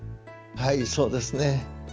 はいそうですね。